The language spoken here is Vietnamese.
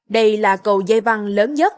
đây là cầu dây văn lớn nhất